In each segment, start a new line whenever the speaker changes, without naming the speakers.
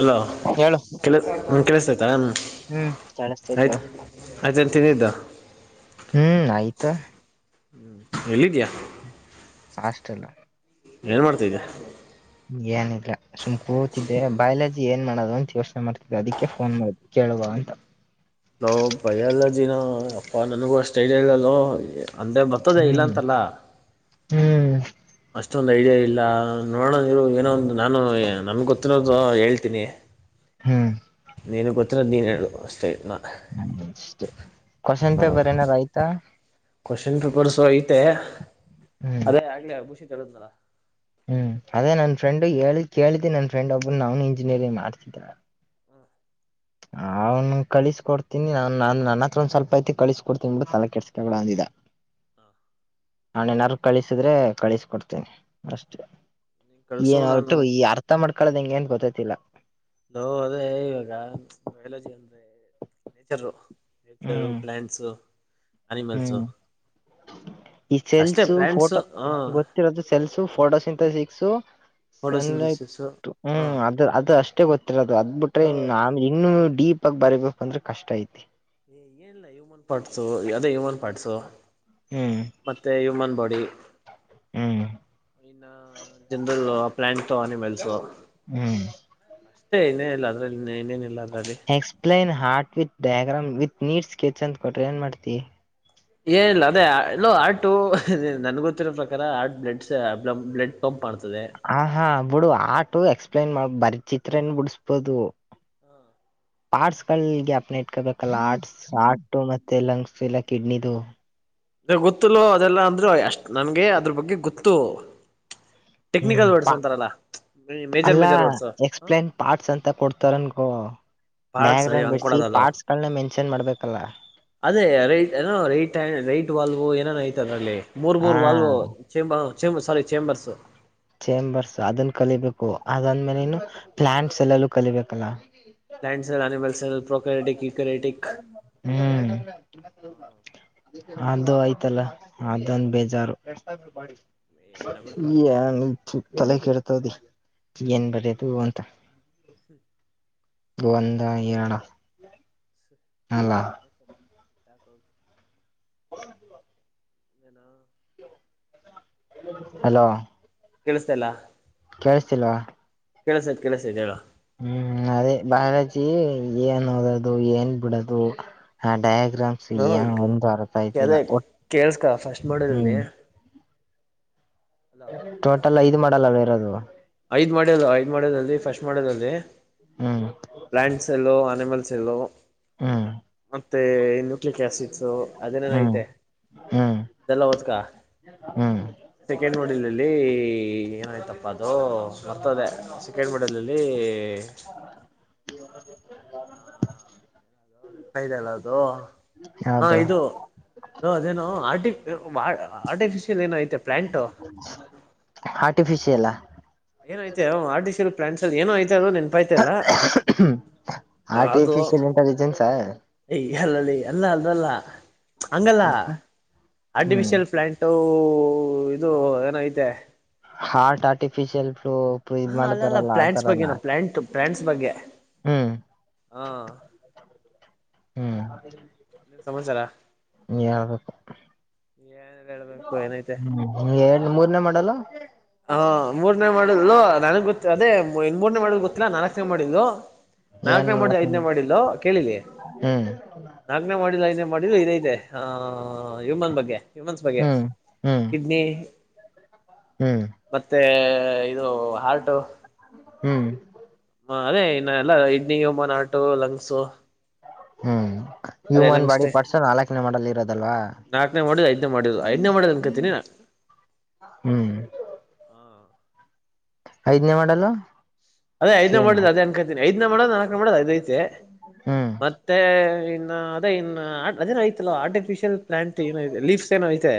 Hello
ಹೇಳು
ಕೆ ಕೇಳಿಸ್ತ
ಹ್ಮ್ ಕೇಳಿಸತೈತಿ
ಆಯ್ತು
ಹೇಳು
ಆಯ್ತನು ತನ್ನಿದ್ದ
ಹ್ಮ್ ಆಯ್ತಾ
[unintelligible]
ಅಷ್ಟಲ್ಲ
ಏನ ಮಾಡ್ತಿದ್ದ.
ಏನಿಲ್ಲ ಸುಮ್ ಕೂತಿದ್ದೆ ಬಯಲಜಿ ಏನ್ ಮಾಡೋದು ಅಂತ ಯೋಚನೆ ಮಾಡ್ತಿದ್ದೆ ಅದಕ್ಕೆ ಫೋನ್ ಮಾಡ ಕೇಳುವ ಅಂತ.
ಲೋ ಬಯಲಜಿನ ಅಪ್ಪಾ ನನಗೂ ಅಷ್ಟ ಐಡಿಯಾ ಇಲ್ಲಲೋ. ಅಂದ್ರೆ ಬರ್ತದೆೇ ಇಲ್ಲ
ಹ್ಮ್
ಅಂತಲ್ಲ.
ಹ್ಮ್
ಅಷ್ಟೊಂದ ಐಡಿಯಾ ಇಲ್ಲ ನೋಡೋಣ ಇರೋ ಏನೋ ಒಂದು ನಾನು ನನಗ ಗೊತ್ತಿರೋದು ಹೇಳ್ತೀನಿ.
ಹ್ಮ.
ನೀನಗ ಗೊತ್ತಿರೋದ ನೀನ ಹೇಳು ಅಷ್ಟೇ ಈಗ.
ಅಷ್ಟೇ ಕ್ವಶನ್ ಪೇಪರ್ ಏನಾರು ಆಯ್ತಾ.
ಕ್ವಶನ್ ಪೇಪರ್ಸು ಐತೆ
ಹ್ಮ್
ಅದೇ ಆಗ್ಲ
ಹ್ಮ ಅದೇ ನನ್ ಫ್ರೆಂಡ ಹೇಳ ಕೇಳಿದಿನಿ ನನ್ ಫ್ರೆಂಡ್ ಒಬ್ಬನ ಅವ್ನು ಇಂಜಿನಿಯಂಗ ಮಾಡ್ತಿದ.
[inaudible]
ಅವ್ನು ಕಳಿಸ ಕೊಡ್ತೀನಿ ನಾ ನನ್ನ ಹತ್ರ ಸ್ವಲ್ಪ ಐತಿ ಕಳಿಸ ಕೊಡ್ತನಿ ಬಿಡು ತಲೆ ಕೆಡಸ್ಕ ಬೇಡ ಅಂದಿದ. ಅವ್ನ ಏನಾರು ಕಳಿಸಿದ್ರೆ ಕಳಿಸ್ಕೊಡ್ತೇನಿ ಅಷ್ಟೇ.
ನೀನು ಕಳಿಸು
ಏನ್
ನಾನು
ಒಟ್ಟು ಈ ಅರ್ಥ ಮಾಡ್ಕೊಳ್ಳದ ಹೆಂಗೆ ಏನ್ ಗೊತ್ತತಿಲ್ಲಾ.
ಲೋ ಅದೇ ಇವಾಗ ಬಯಾಲಜಿ ಅಂದ್ರೆ ನೇಚರ್. ನೇಚರು
ಹ್ಮ್
ಪ್ಲಾಂಟ್ಸ. ಅನಿಮಲ್ಸು
ಹ್ಮ್
ಅಷ್ಟೇ ಪ್ಲಾಂಟ್ಸ್ ಹಾ
ರೋದು ಸೆಲ್ಸು ಫೋಟೋಸಿಂತಸಿಕ್ಸು ಸನ್ಲೈಟ್
ಫೋಟೋಸಿಂಥಸಿಸು
ಹ್ಮ
ಹ
ಅದ ಅದು ಅಷ್ಟ. ಅಷ್ಟೇ ಗೊತ್ತಿರೋದು ಅದ್ ಬಿಟ್ರೆ ಇನ್ನ ನಾನ ಇನ್ನು ಡೀಪ್ ಆಗ ಬರೀಬೇಕು ಅಂದ್ರೆ ಕಷ್ಟ ಐತಿ.
ಏನಿಲ್ಲ ಹ್ಯೂಮನ್ ಪಾರ್ಟ್ಸು ಅದೇ ಹ್ಯೂಮನ್ ಪಾರ್ಟ್ಸು.
ಹ್ಮ್
ಮತ್ತೆ ಹ್ಯೂಮನ್ ಬಾಡಿ.
ಹ್ಮ
ಇನ್ ಜನರಲ್ ಆ ಪ್ಲಾಂಟ್ಸ ಆ ಎನಿಮಲ್ಸ
ಹ್ಮ್
ಇಷ್ಟೇ ಏ ಇನೇ ಇಲ್ಲ ಅದ್ರಲ್ಲಿ ಏನ್
explain heart with diagram with neat sketch ಅಂತ ಕೊಟ್ರೆ ಏನ್ ಮಾಡ್ತಿ
ಏನಿಲ್ಲ ಅದೇ ಇಲ್ಲೋ ಹಾಟು ನನ್ಗೆ ಗೊತ್ತಿರೋ ಪ್ರಕಾರ ಆಟ್ ಬ್ಲಡ್ಸ್ ಬ್ಲಡ್ ಪಂಪ್ ಮಾಡುತ್ತದೆ
ಹ ಹಾ ಬಿಡು ಹಾಟು ಎಕ್ಸಪ್ಲನ್ ಮಾಡ ಬರೀ ಚಿತ್ರನ ಬಿಡಿಸಬೋದು ಆರ್ಟ್ಸ್ ಗಳಿಗ ಗಾಪ್ನ ಇಟ್ಕೋಬೇಕಲ್ಲ ಆರ್ಟ್ಸ್ ಹಾರ್ಟು ಮತ್ತೆ ಲಂಗ್ಸ್ ಇಲ್ಲ ಕಿಡ್ನಿದು
ಅ ಗೊತ್ತಲು ಅದೆಲ್ಲಾ ಅಂದ್ರರು ಎಷ್ಟ್ ನನ್ಗೆ ಅದ್ರ ಬಗ್ಗೆ ಗೊತ್ತು
ಹ್ಮ್
ಟೆಕ್ನಿಕಲ್ ವರ್ಡ್ಸ್
ಪಾ
ಅಂತಾರಲ್ಲ ಮೇಜರ್ ಮೇಜರ್ ವರ್ಡ್ಸ್
ನ್ ಪಾರ್ಟ್ಸ್ ಅಂತ ಕೊಡ್ತಾರನ್ಗ
ಪಾರ್ಟ್ಸ್
ಡಯಾಗ್ರಾಮ್
ಹಂಗ್
ಬಿಡಸಿ
ಕೊಡೋದಲ್ಲ
ಪಾಟ್ಸ ಗಳನ್ನ ಮೆನ್ಷನ್ ಮಾಡ ಬೇಕಲ್ಲ
ಅದೇ ರೈಟ್ ಏನೋ ರೈಟ್ ರೈಟ್ ವಾಲ್ವ ಏನೇನ ಐತ ಅಲ್ಲಿ ಮೂರ್
ಹಾ
ಮೂರ್ ವಾಲ್ವ ಚೇಂಬ ಹ ಚೇಂಬರ್ ಸಾರಿ ಚೇಂಬರ್ಸ್
ಚೇಂಬರ್ಸ್ ಅದನ್ನ ಕಲಿಬೇಕು ಅದಂದ್ಮೇಲೆನು ಪ್ಲಯಾಂಟ್ಸ್ ಎಲ್ಲಲ್ಲೂ ಕಲಿಬೇಕಲ್ಲ
plants and animals prokaryotic eukaryotic
ಹ್ಮ್ ಅದು ಆಯ್ತಲ್ಲ ಅದಂದು ಬೇಜಾರು
ಏನ ಬಿಡ
ನೀ ತಲೆ ಕೆಡತದೆ ಏನ್ ಬರದು ಅಂತ ಒಂದ ಏರಡಾ ಅಲ್ಲ
[inaudible]
ಹ
ನಾ
ಹಲೋ
ಕೇಳಿಸ್ತಾ ಇಲ್ಲ
ಕೇಳಿಸ್ತಿಲ್ವಾ
ಕೆಲಸೈತ್ ಕೆಸೈತ್ ಹೇಳ
ಹ್ಮ್ ಅದೇ ಬಯಾಲಜಿ ಏನ್ ಓದದು ಏನ್ ಬಿಡದು ಡೈಕ್ಟ್ ಗ್ರಾಮ್ಸ ಏನ್ ಒಂದು ಅರ್ಥ ಆಗ್ತಿಲ್ಲ
ಅದೇ ಕೇಳ್ಸ್ಕ ಫಸ್ಟ್
ಹ್ಮ್
ಮಾಡಲಲ್ಲಿ
ಟೋಟಲ್ ಐದು ಮಾಡಲ್ಲವ ಬೇರದು
ಐದ್ ಮಾಡ ಅದು ಐದ್ ಮಾಡ್ಯದ ಅಲ್ಲಿ ಫಸ್ಟ್ ಮಾಡಿದ್ರಲ್ಲಿ
ಹ್ಮ್
ಪ್ಲಾಂಟ್ಸ್ ಎಲ್ಲೋ ಅನಿಮಲ್ಸ್ ಎಲ್ಲೋ
ಹಾ
ಮತ್ತೆ ನ್ಯೂಕ್ಲಿಕ್ ಆಸಿಡ್ಸ ಅದನನ
ಹ್ಮ್
ಐತೆ
ಹ್ಮ್
ಅದೆಲ್ಲ ಹೊದ್ಕ
ಹ್ಮ್
ಸೆಕೆಂಡ್ ನೋಡಿಲ್ಲ್ಲಿ ಏನಾಯ್ತಪ್ಪ ಅ ಅದು ಬರ್ತದೆ ಸೆಕೆಂಡ್ ಮಾಡಲಲ್ಲಿ
ಹ [inaudible]
ಹದೆಲ್ಲ ಅದು ಹಾ
ಹೌದು
ಇದು ಅದೇನು ಆರ್ಟಿ ಆರ್ಟಿಫಿಷಿಯಲ್ ಏನೋ ಐತೆ ಪ್ಲಾಂಟ್
ಆರ್ಟಿಫಿಷಿಯಲ್
ಏನ ಐತೆ ಆರ್ಟಿಫಿಶಿಯಲ್ ಪ್ಲಾಂಟ್ಸ್ ಅದೇನೋ ಐತೆ ಅದು ನೆನಪು ತಲ್ಲ ಅದು
ಆರ್ಟಿಫಿಶಿಯಲ್ ಇಂಟೆಲಿಜೆನ್ಸಾ
ಯ ಅಲ್ಲಲ್ಲಿ ಅಲ್ಲ ಅಲ್ಲಲ್ಲ ಹಂಗಲ್ಲ
ಹ್ಮ್
ಆರ್ಟಿಫಿಶಿಯಲ್ ಪ್ಲಾಂಟ್ ವು ಇದು ಏನಐತೆ
ಹಾರ್ಟ ಆರ್ಟಿಫಿಶಿಯಲ್ ಇದ್
ಹಾ ಅಲ್ಲ ಅಲ್ಲ
ಮಾಡ್ತಾರಲ್ಲ ಆ
ಪ್ಲಯಾಂಟ್ಸ್
ತರನ
ಬಗ್ಗೆನ ಪ್ಲಾಂಟ್ ಪ್ಲಾಂಟ್ಸ್ ಬಗ್ಗೆ
ಹ್ಮ್
ಹಾ
ಹ್ಮ್
ಸಮಾಚಾರ
ಹಳ್ಬೇಕು
ಏನ್ ಹೇಳ್ಬೇಕು ಏನೈತೆ
ಹ್ಮ ಮೂರ್ನೇ ಮಾಡಲ್ಲ
ಹಾ ಮೂರನೇ ಮಾಡಿದ್ಲು ನನಗ್ ಗೊ ಅದೇ ಇನ್ ಮೂರ್ನೇ ಮಾಡೆಲ್ ಗೊತ್ತಿಲ್ಲಾ ನಾಲ್ಕನೇ ಮಾಡ್ಲು ನಾಲ್ಕನೇ ಮಾಡ್ಯೂಲ್ ಐದ್ನೇ ಮೊಡ್ಯೂಲ್ ಕೇಳಲಿ
ಹ್ಮ್
ನಾಲ್ಕನೇ ಮಾಡಲ್ ಐದನೇ ಮಾಡೆಲ್ ಇದಐತೆ ಹ ಹ್ಯುಮನ್ ಬಗ್ಗೆ ಹ್ಯುಮನ್ಸ್ ಬಗ್ಗೆ
ಹ್ಮ್ ಹ್ಮ್
ಕಿಡ್ನಿ
ಹ್ಮ್
ಮತ್ತೆ ಇದು ಹಾರ್ಟು
ಹ್ಮ್
ಹ ಅದೇ ಇನ್ನ ಎಲ್ಲ ಕಿಡ್ನಿ ಯಮನ್ ಆಟು ಲಂಗ್ಸು
ಹ್ಮ್
ಅದೇ
ಹ್ಯೂಮನ್
ಲಂಗ್ಸ್
ಬಾಡಿ
ಟೆ
ಪಾರ್ಟ್ಸ್ ನಾಲ್ಕನೇ ಮಾಡಲ್ಲಿ ಇರೋದಲ್ವಾ
ನಾಲ್ಕನೇ ಮಾಡಿದ್ ಐದನೇ ಮಾಡಿದ್ ಐದನೇ ಮಾಡಿದ್ ಅನ್ಕತೀನಿ ನಾ
ಹ್ಮ್ ಐದ್ನೇ ಮಾಡ್ಯೂಲ್
ಅದೇ ಐದನೇ ಮಾಡಲ್ ಅದೇ ಅನ್ಕೋತೀನಿ ಐದನೇ ಮೊಡ್ಯೂಲ್ ನಾಲ್ಕನೇ ಮಾಡ್ಯೂಲ್ ಅದೇ ಐತೆ
ಹ್ಮ್
ಇನ್ನು ಅದೇ ಇನ್ನು ಅದೇನ ಆಯತಲ್ಲವ ಆರ್ಟಿಫಿಷಿಯಲ್ ಪ್ಲಾಂಟ್ ಏನ ಐತೆ ಲೀಫ್ಸ್ಏನೋ ಐತೆ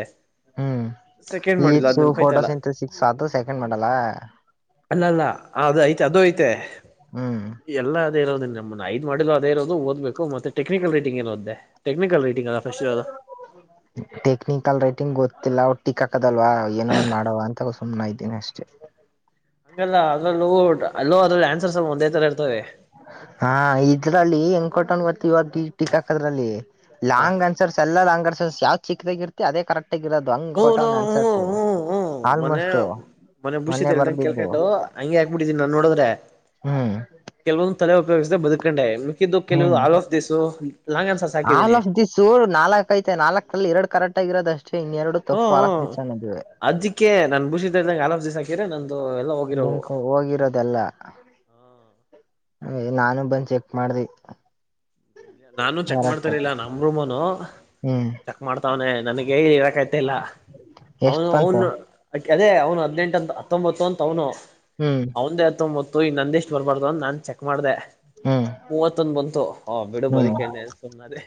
ಸೆಕೆಂಡ್ ಮಾಡಿಲ್ಲ
ಲೀಫ್ಸ್
ಅದ್
ಫೋಟೋ
ನೆನ್ಪೈತಲ್ಲ
ಸಂಥ ಸಿಕ್ಸ್ ಆತ ಸೆಕೆಂಡ್ ಮಾಡ್ಯೂಲ್
ಅಲ್ಲ ಅಲ್ಲ ಅದ ಐತೆ ಅದು ಐತೆ
ಹ್ಮ್
ಎಲ್ಲ ಅದ ಇರೋದದು ನಮ್ಮ ಐದು ಮಾಡಲು ಅದೇ ಇರೋದು ಓದಬೇಕು ಮತ್ತು ಟೆಕ್ನಿಕಲ್ ರೀಟಂಗ್ಏರೋದೇ ಟೆಕ್ನಿಕಲ್ ರೈಟಿಂಗ್ ಅಲ್ವಾ ಫಸ್ಟ್ ಇರೋದು
[inaudible] ಟೆಕ್ನಿಕಲ್ ರೈಟಿಂಗ್ ಗೊತ್ತಿಲ್ಲ ಟಿಕ್ ಹಾಕದಲ್ವಾ ಏನೋ ಒಂದ ಮಾಡೋವ ಅಂತ ಸುಮ್ಮನೆ ಆಯ್ತಿನಿ ಅಷ್ಟೇ
ಹಂಗಲ್ಲ ಅದ್ರಲ್ಲೂ ಅಲ್ಲೋ ಅದ್ರಲ್ಲಿ ಆನ್ಸರ್ಸ್ ಎಲ್ಲ ಒಂದೇ ತರ ಇರ್ತವೆ
ಹಾ ಇದ್ರಲ್ಲಿ ಹೆಂಗ್ ಕೊಟ್ಟವ್ನು ಗೊತ್ತಾ ಟಿಕ್ ಹಾಕೋದ್ರಲ್ಲಿ
ಹ
ಲಾಂಗ್ ಅಂತ ಆನ್ಸರ್ಸ್ ಎಲ್ಲ ರಾಂಗ್ ಆನ್ಸರ್ಸ್ ಯಾವ್ ಚಿಕ್ಕದಾಗಿ ಇರ್ತಿ ಅದ ಕರೆಕ್ಟಗ ಇರೋದು ಹಂಗ
ಹೂನು
ಕೊಟ್ಟವ್ನೆ
ಹ್ಮ
ಆನ್ಸರ್ಸ್
ಹ್ಮ ಮೊನ್ನೆ
ಆಲ್ಮೋಸ್ಟ್
ಮೊನ್ನೆ ಬೂಶಿತ್ ಹೇಳಿದಂಗ ಕೇಳ್ಕೊಂಡು ಹಂಗೆ ಹಾಗ್ಬಿಟ್ಟಿದೀನಿ ನಾನ್ ನೋಡಿದ್ರೆ
ಹ್ಮ್
ಕೆಲವೊಂದು ತಲೆ ಉಪಯೋಗಿಸದೇ ಬದುಕೊಂಡೆ ಮಿಕ್ಕಿದ್ದು ಕೆಲವಂದು
ಹ್ಮ್
ಆಲೋಫ್ ದಿಸು ಲಾಂಗ್ ಅನ್ಸಸ್ ಹಾಕಿದ್ದೀನಿ
ನಾಲ್ಕಕ್ ಐತೆ ನಾಲ್ಕಲ್ಲಿ ಎರಡು ಕರೆಕ್ಟ್ ಆಗಿರೋದು ಅಷ್ಟೇ ಇನ್ನು ಎರಡು
ಹ್ಮ್ ಹ್ ಅದ್ಕ್ಕೆ ನಾನ್ ಭೂಶಿತ್ ಹೇಳ್ದಂಗೆ ಆಲ್ ಆಫ್ ದಿಸ್ ಹಾಕಿದ್ರೆ ನಂದು ಎಲ್ಲ ಹೋಗಿರೋವು
ಹೋಗಿರದು ಎಲ್ಲಾ ನಾನು ಬಂದ್ ಚೆಕ್ ಮಾಡ್ದೆ
ನಾನು ಚೆಕ್ ಮಾಡ್ತಿರಲಿಲ್ಲ ನಮ್ ರೂಮೋನು
ಹ್ಮ್
ಚೆಕ್ ಮಾಡ್ತಾವನೆ ನನಗ ಇರಕ್ ಆಯ್ತಾ ಇಲ್ಲ
ಎಷ್ಟ್
ಅವನು
ಬಂತು
ಅವನು ಅ ಅದೇ ಅವನು ಹದಿನೆಂಟು ಅಂತ ಹತ್ತೊಂಬತ್ತು ಅಂತ ಅವನು
ಹ್ಮ್
ಅವಂದೆ ಹತ್ತುಂಬತ್ತು ಇನ್ನು ನಂದ ಎಷ್ಟು ಬರ್ಬಾರ್ದು ನಾನ್ ಚೆಕ್ ಮಾಡ್ದೆ
ಹ್ಮ್
ಮೂವತ್ತೊಂದ ಬಂತು ಹ ಬಿಡು
ಹ್ಮ್
ಬದಿಕಂಡೆ ಅಂತ ಸುಮ್ನ್ ಅದೇ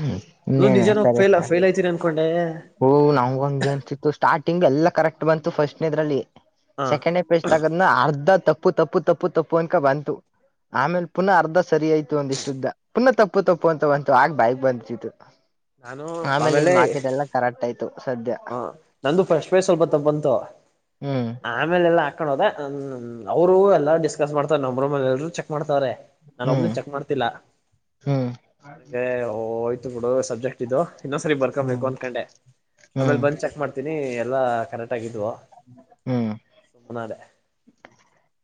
ಹ್ಮ್
ಲೋ
ಇನ್ನೇನೆ
ನಿಜಾನೂ ನಾನ್
ಸರಿ
ಫೇಲ್ ಫೇಲ್ ಆಗ್ತೀನಿ ಅನ್ಕೊಂಡೆ
ಓ ನಾವ್ ಹಂಗೆ ಅನ್ಸಿತ್ತು ಸ್ಟಾರ್ಟಿಂಗ್ ಎಲ್ಲ ಕರೆಕ್ಟ್ ಬಂತು ಫಸ್ಟ್ನ ಇದ್ರಲ್ಲಿ
ಹ
ಸೆಕೆಂಡೇ ಪ್ರಶ್ನೆ ತಗುದ್ನ ಅರ್ಧ ತಪ್ಪು ತಪ್ಪು ತಪ್ಪು ತಪ್ಪು ಅನ್ಕ ಬಂತು ಆಮೇಲೆ ಪುನಃ ಅರ್ಧ ಸರಿ ಆಯ್ತು ಒಂದಿಷ್ಟುದ್ದ ಪುನಃ ತಪ್ಪು ತಪ್ಪು ತಪ್ಪು ಅಂತ ಬಂತು ಆಗ ಬಾಯ ಬಂದತಿತ್ತು
ನಾನು
ಆಮೇಲೆ ಇನ್ನ ಬಾಕಿದೆಲ್ಲ ಕರೆಕ್ಟ್ ಆಯ್ತು ಸದ್ಯ
ಹಾ ನಂದು ಫಸ್ಟ್ ಪೇಜ್ ಸ್ವಲ್ಪ ತಪ್ಪು ಬಂತು
ಹ್ಮ್
ಆಮೇಲೆ ಎಲ್ಲ ಹಾಕೊಂಡ್ ಹೋದೆ ಅವರು ಎಲ್ಲ ಡಿಸ್ಕಸ್ ಮಾಡ್ತರೆ ನಮ್ಮ ರೂಮ್ ಅಲ್ಲಿ ಎಲ್ರರು ಚೆಕ್ ಮಾಡ್ತವ್ರೆ ನಾನ್ ಒಬ್ನ
ಹ್ಮ್
ಚೆಕ್ ಮಾಡ್ತಿಲ್ಲ
ಹ್ಮ್
ಹೇ ಹೋಯ್ತು ಬಿಡು ಸಬ್ಜೆಕ್ಟ್ ಇದು ಇನ್ನೊಂದ್ಸರಿ
ಹ್ಮ್
ಬರ್ಕೊಬೇಕು ಅಂದಕೊಂಡೆ ಆಮೇಲೆ
ಹ್ಮ್
ಬಂದ್ ಚೆಕ್ ಮಾಡ್ತೀನಿ ಎಲ್ಲಾ ಕರೆಕ್ಟ್ ಆಗಿದ್ವು
ಹ್ಮ್
ಸುಮ್ಮನೆ ಅದೇ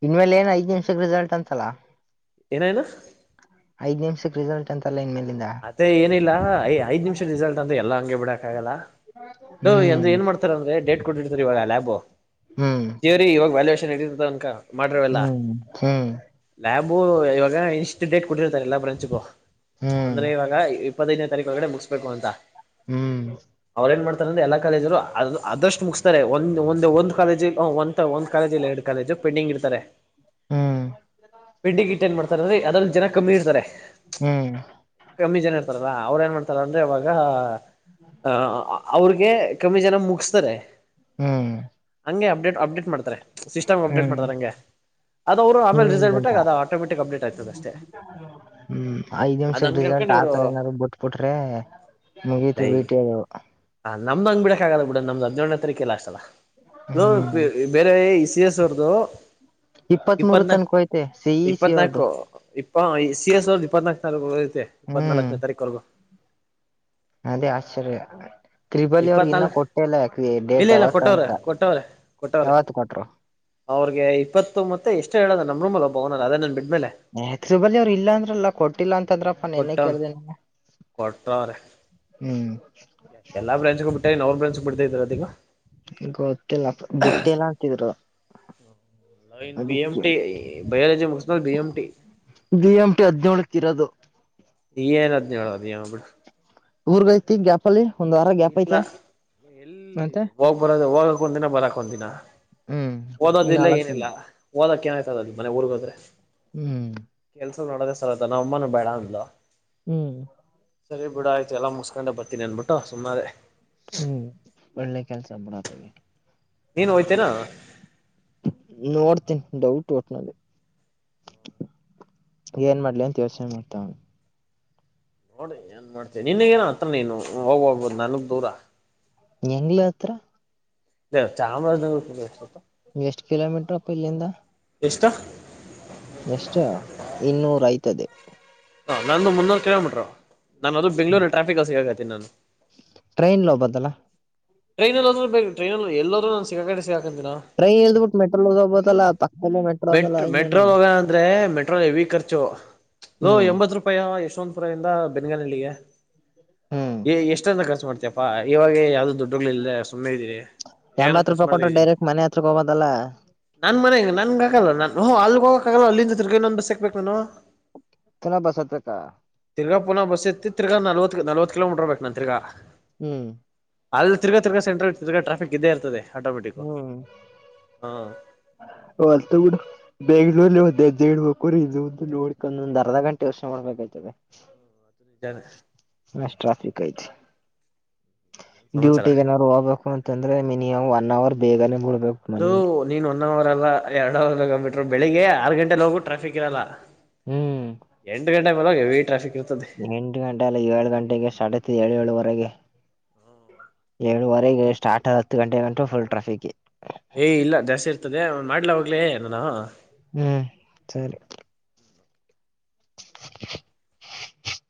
ಇನ್ ಮೇಲೆ ಏನ್ ಐದ್ ನಿಮಿಷಕ್ಕೆ ರಿಸಲ್ಟ್ ಅಂತಲ್ಲ
ಏನ್ ಏನು
ಐದ್ ನಿಮಿಷಕ್ಕೆ ರಿಸಲ್ಟ್ ಅಂತೆ ಅಂತಲ್ಲ ಇನ್ಮೇಲಿಂದ
ಅದೇ ಏನಿಲ್ಲ ಐ ಐದ್ ನಿಮಿಷ ರಿಸಲ್ಟ್ ಅಂತ ಎಲ್ಲಾ ಹಂಗೆ ಬಿಡಕ್ ಆಗಲ್ಲ ಏಂದ್ರ
ಹ್ಮ್
ಏನ್ ಮಾಡ್ತಾರ ಅಂದ್ರೆ ಡೇಟ್ ಕೊಟ್ಟಿಡ್ತಾರೆ ಇವಾಗ ಲ್ಯಾಬು
ಹ್ಮ್
ಇವಾಗ ವ್ಯಾಲ್ಯಷನ್ ಇಟ್ಟಿರ್ತಾರೆ ಅನ್ಕೋ ಮಾಡ್ರಿವೆಲ್ಲ
ಹ್ಮ್ ಹ್ಮ್
ಲ್ಯಾಬು ಇವಾಗ ಇನ್ಸ್ಟಿಟ್ಯೇಟ್ ಕೊಟ್ಟಿರ್ತಾರೆ ಎಲ್ಲ ಬ್ರಾಂಚ್ಗೂ
ಹ್ಮ್
ಅಂದ್ರೆ ಇವಾಗ ಇಪ್ಪತ್ತೈನೇ ತಾರೀಕು ಒಳಗಡೆ ಮುಗಿಸ್ಬೇಕು ಅಂತ
ಹ್ಮ್
ಮಾಡ್ತಾರೆಂದೆ ಎಲ್ಲಾ ಕಾಲೇಜರು ಅದಷ್ಟು ಮುಗಿಸ್ತಾರೆ ಒ ಒಂದ ಒಂದು ಕಾಲೇಜ ಒಂದು ಒಂದು ಕಾಲೇಜ ಇಲ್ಲ ಎರಡು ಕಾಲೇಜು ಪೆಂಡಂಗ್ ಇಡ್ತಾರೆ
ಹ್ಮ್
ಪೆಂಡಿಂಗ್ ಇಟ್ಟು ಏನ್ ಮಾಡ್ತಾರೆ ಅದ್ರಲ್ಲಿ ಜನ ಕಮ್ಮಿ ಇರ್ತಾರೆ
ಹ್ಮ್
ಕಮ್ಮಿ ಜನ ಇರ್ತಾರಲ್ಲ ಅವ್ರ ಏನ್ ಮಾಡ್ತಾರ ಅಂದ್ರೆ ಅವಾಗ ಆ ಅವ್ರಗೆ ಕಮ್ಮಿ ಜನ ಮುಗ್ಸ್ತಾರೆ.
ಹ್ಮ್
ಹಂಗೆ ಅಪ್ಡೇಟ್ ಅಪ್ಡೇಟ್ ಮಾಡ್ತಾರೆ. ಸಿಸ್ಟಮ್ ಅಪ್ಡೇಟ್
ಹ್ಮ್
ಮಾಡ್ತಾರೆ ನಂಗೆ ಅದು ಅವರು ಆಮೇಲೆ ರಿಸಲ್ಟ್
ನಿಮ್ಗಂಟ
ಬಿಟ್ಟಾಗ ಅದು ಆಟೋಮೆಟಿಕ್ ಅಪ್ಡೇಟ್ ಆಯ್ತದ ಅಷ್ಟೇ.
[unintelligible] ಹ್ಮ್ ಐದ್
ಅದ್
ನಿಮಿಷ
ಹಂಗ್
ರಿಸಲ್ಟ್
ಹೇಳ್ಕೊಂಡ್ ಇವ್ರು
ಆತರ ಏನಾದ್ರು ಬಿಟ್ಬಿಟ್ರೆ ಮುಗೀತ
ಲೈ
ಬಿಟಿ ಹೇಳ.
ಹ ನಮ್ದ ಹಂಗ್ ಬಿಡಕ್ ಆಗಲ್ಲ ಬಿಡ ನಮ್ದ್ ಹದಿನೇಳು ತರೀಕೆ ಲಾಸ್ಟ್ ಅಲ್ಲ.
ಹ್ಮ್
ಬೇರೆ ಸಿ ಯಸ್ ಅವರ್ದು.
ಇಪ್ಪತ್ ಮೂರು
ಇಪ್ಪತ್ನಾ
ತನಕ ಹೋಯ್ತೆ ಸಿ ಇ ಸಿ ಅವ್ರ್ದು
ಇಪ್ಪತ್ನಾಕು ಇಪ್ಪ ಸಿ ಎಸ್ ಅವ್ರ ಇಪ್ಪತ್ನಾಕು. ಐತೆ
ಹ್ಮ್
ಇಪ್ಪತ್ನಾಲ್ಕನೇ ತಾರೀಕುರೆಗೂ.
ಅದೇ ಆಶ್ಚರ್ಯ. ತ್ರಿಬಲಿ ಅವ್ರಗ್ ಇನ್ನೂ
ಇಪ್ಪತ್ನಾಲ್ಕು
ಕೊಟ್ಟೇ ಇಲ್ಲ ಯಾಕ
ಇಲ್ಲ
ಡೇಟ್
ಇಲ್ಲ
ಯಾವತ್
ಕೊಟ್ಟವ್ರೆ
ಅಂತ
ಕೊಟ್ಟವ್ರೆ ಕೊಟ್ಟವ್ರೆ
ಯಾವತ್ ಕೊಟ್ರು.
ಅವ್ರಿಗೆ ಇಪ್ಪತ್ತು ಮತ್ತೆ ಎಷ್ಟು ಹೇಳೋದ ನಮ್ ರೂಮಲ್ ಒಬ್ಬ ಅದೇ ನನ್ ಬಿಡ್ಮೇಲೆ.
ತ್ರುಬಲ್ಲಿ ಅವ್ರು ಇಲ್ಲ ಅಂದ್ರಲ್ಲ ಕೊಟ್ಟಿಲ್ಲ ಅಂತಂದ್ರಪ್ಪೆನೇ
ಕೊಟ್ಟವ್ನ್
ಕೇಳ್ದೇ ನಾನು. ಹ್ಮ್
ಎಲ್ಲ ಬ್ರಾಂಚ್ಗು ಬಿಟ್ಟ ಇನ್ನ ಅವ್ರಾ ಬ್ರಂಚಗೆ ಬಿಡ್ದೇ ಇದ್ರೆ ಅದಿಗ.
ಗೊತ್ತಿಲ್ಲಪ್ಪ ಬುಟ್ಟಿಲ್ಲಾ ಅಂತಿದ್ರು.
ನಾನ್ ಬಿ ಎಂ
ಅದಿಕ್ಕೆ
ಟಿ ಈ ಬಯಾಲಜಿ ಮುಗಿಸ್ದೊರು BM T.
B M T ಹದ್ನೇಳಕ್ ಇರೋದು.
ಈ ಹದಿನೊಳೋ ಅದೇನೊ ಬಿಡು.
ಊರಿಗೆ ಹೋಯ್ತಿನಿ ಗ್ಯಾಪ್ ಅಲ್ಲಿ ಒಂದ್ ವಾರ ಗ್ಯಾಪ್ ಐತೆ.
ಊರಿಗ ಹೋಗಕ್ ಒಂದಿನ ಬರಕ್ ಒಂದ ದಿನ
ಹ್ಮ್ ಇನ್
ಓದೋದಿಲ್ಲ
ನಾಲ್ಕ್
ಏನಿಲ್ಲ.
ದಿನ
ಓದಕ್ಕ ಏಯ್ತದ ಅದು ಮನೆಗ ಊರಿಗ್ ಹೋದ್ರೆ.
ಹ್ಮ್
ಕೆಲ್ಸ ನೋಡದೇ ಸರ್ದ ನಮ್ಮನು ಬೇಡ ಅಂದ್ಲು.
ಹ್ಮ್
ಸರಿ ಬಿಡ ಆಯ್ತು ಎಲ್ಲ ಮುಸ್ಕೊಂಡೆ ಬರ್ತೀನಿ ಅನ್ಬಿಟ್ಟು ಸುಮ್ಮನದೇ.
ಹ್ಮ್ ಒಳ್ಳೆ ಕೆಲ್ಸ ಬಿಡತಗೆ.
ನೀನು ಹೋಯ್ತೇನು.
ನೋಡ್ತೀನಿ ಡೌಟ್ ಒಟ್ನಲ್ಲಿ. ಏನ್ ಮಾಡ್ಲಿ ಅಂತ ಯೋಚನೆ ಮಾಡ್ತಾವ್ನಿ.
ನೋಡಿ ಏನ್ ಮಾಡ್ತೀಯ ನಿನ್ಗೇನ ಹತ್ರ ನೀನು ಹೋಗ್ ಬರ್ಬೋದು ನನಿಗ್ ದೂರ.
ಹೆಂಗ್ಲ ಹತ್ರ.
ಹೇ ಚಾಮರಾಜನಗರಕ್ ಎಷ್ಟೊತ್ತೊ.
ಎಷ್ಟ ಕೀಲೋಮೀಟರಪ ಇಲ್ಲಿಂದ.
ಎಸ್ಟು.
ಎಷ್ಟು ಇನ್ನೂರು ಆಯ್ತದೆ.
ಹ ನಂದು ಮುನ್ನೂರು ಕಿಲೋಮೀಟರು ನಾನು ಅದು ಬೆಂಗ್ಳೂರ್ ಟ್ರಾಫಿಕ್ ಸಿಗತಿ ನಾನು.
ಟ್ರೈನ್ ಹೋಗ್ಬದಲ್ಲ.
ಟ್ರೈನಲ್ಲಾದರೂ ಬೇಕ ಟೈನ ಎಲ್ಲಾದರೂ ನು ಸಿಗಾಕಂಡೆ ಸಿಕಂತಿನೊ.
ಟ್ರೈನ್ ಇಲ್ದ್ಬಿಟ್ಟು ಮೆಟ್ರೋಲ್ ಹೋಗಬೋದಲ್ಲ ಪಕ್ಕದಲ್ಲಿ ಮೆಟ್ರೋ ಅದಲ್ಲ
ಮೆಟ್
ಇನ್ನೇನು
ಮೆಟ್ರೋ ಅಂದ್ರೆ ಮೆಟ್ರೋ ಹೆವಿ. ಖರ್ಚು ಲೋ
ಹ್ಮ್
ಎಂಬತ್ತು ರೂಪಾಯಿ ಯಶವಂತಪುರ ಇಂದ ಬೆನ್ಗನಳ್ಳಿಗೆ
ಹ್ಮ್
ಎಷ್ಟತ ಖರ್ಚು ಮಾಡ್ತಯ. ಹಾ ಇವಾಗ್ಲೆ ಯಾವ್ದೇ ದುಡ್ಡುಗಳಿಲ್ದೆ. ಸುಮ್ಮನೆ ಇದೀನಿ ಏನೋ
ಎಂಬತ್
ಖರ್ಚು
ರೂಪಾಯಿ
ಮಾಡ್ತಾ
ಕೊಟ್ರೆ
ಇದ್ದೀನಿ
ಡೈರೆಕ್ಟ್ ಮನೆ ಹತ್ರಗ್ ಹೋಗೋದಲ್ಲಾ
ನನ್ ಮನೆ ನನ್ಗ ಆಕಲ್ಲ ನಾನು ಅಲಗ ಹೋಗೋಕ್ಕಾಗಲ್ಲ ಅಲ್ಲಿಂದ ತಿರಗ ಇನೊಂದ ಬಸ್ ಸಿಕ್ಬೇಕು ನಾನು
ಪೂನ್ನ ಬಸ್ ಹತ್ತಬೇಕಾ
ತಿರ್ಗಾ ಪುನಃ ಬಸ್ಸತ್ತಿ ತಿರ್ಗಾ ನಲ್ವತ್ತ್ ನಲ್ವತ್ ಕಿಲೋಮೀಟರ್ ಹೊಗಬೇಕ ನಾನು ತಿರ್ಗ
ಹ್ಮ್
ಅಲ್ಲ ತಿರ್ಗಾ ತಿರ್ಗಾ ಸೆಂಟ್ರಲ್ ತಿರ್ಗಾ ಟ್ರಾಫಿಕ್ ಇದ್ದೇ ಇರ್ತದೆ ಆಟೋಮೆಟಿಕ್ ಹ
ಬೀಡು [unintelligible] ಬೆಂಗಳೂರಲ್ಲಿ ಒಂದ್ ಎಜ್ಜೆ ಇಡ್ಬೇಕುರ ಇಂದು ಮುಂದು ನೋಡ್ಕೊಂದೊ ಒಂದ್ ಅರ್ಧ ಗಂಟೆ ಯೋಚನೆ ಮಾಡ್ಬೇಕ್ತದೆ [inaudible]
ನಿಜಾನೆ
ಅಷ್ಟ್ ಟ್ರಾಫಿಕ್ ಐತಿ
ಸಮಾಚಾರ
ಡ್ಯೂಟಿಗ ಏನಾದ್ರು ಹೋಗ್ಬೇಕು ಅಂತಂದ್ರೆ ಮಿನಿಮಮ್ ಒನ ಅವರ್ ಬೇಗಾನೆ ಬಿಡ್ಬೇಕು
ಅದು
ಮನೇಲಿ
ನೀನ್ ಒನ ಅವರ್ ಅಲ್ಲ ಎರಡು ಅವರ್ ತಗೂಂಬಿಟ್ರು ಬೆಳಿಗ್ಗೆ ಆರು ಗಂಟೆಲ್ಲೋಗೂ ಟ್ರಾಫಿಕ್ ಇರಲ್ಲ
ಹ್ಮ್
ಎಂಟ ಗಂಟೆಗೋದಾಗ ಹೆವಿ ಟ್ರಾಫಿಕ್ ಇರ್ತದೆ
ಎಂಟ ಗಂಟೆ ಅಲ್ಲ ಏಳು ಗಂಟೆಗೆ ಸ್ಟಾರ್ಟ್ ಆಯ್ತದೆ ಏಳಏಳುವರೆಗೆ ಏಳುವರೆಗೆ ಸ್ಟಾರ್ಟ್ ಹತ್ತು ಗಂಟೆಗಂಟು ಫುಲ್ ಟ್ರಾಫಿಕೆ
ಏಯ ಇಲ್ಲ ಜಾಸ್ತಿ ಇರ್ತದೆ ಮಾಡ್ಲ ಹೋಗ್ಲಿ ನಾನು
ಹ್ಮ್ ಸರಿ